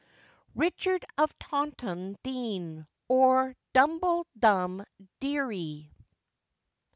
RICHARD OF TAUNTON DEAN; OR, DUMBLE DUM DEARY.